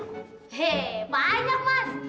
hei banyak mas